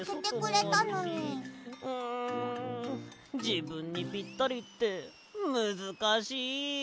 じぶんにぴったりってむずかしい。